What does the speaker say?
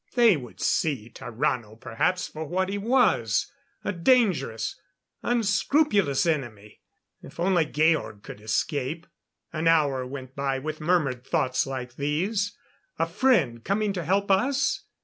They would see Tarrano perhaps, for what he was a dangerous, unscrupulous enemy.... If only Georg could escape.... An hour went by with murmured thoughts like these. A friend coming to help us?